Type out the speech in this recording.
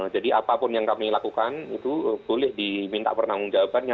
jadi apapun yang kami lakukan itu boleh diminta pertanggung jawabannya